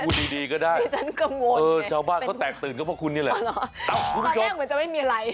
พูดดีก็ได้ชาวบ้านก็แตกตื่นก็เพราะคุณนี่แหละคุณผู้ชมมันยังเหมือนจะไม่มีอะไร